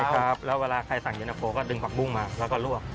ครับแล้วเวลาใครสั่งเย็นตะโฟก็ดึงผักบุ้งมาแล้วก็ลวก